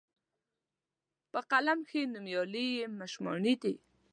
په قلم کښي نومیالي یې مشواڼي دي